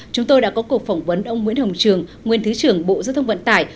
chúng tôi đã có cuộc phỏng vấn ông nguyễn hồng trường nguyên thứ trưởng bộ giao thông vận tải